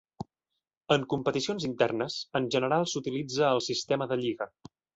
En competicions internes, en general s'utilitza el sistema de lliga.